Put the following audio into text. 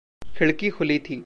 खिड़की खुली थी।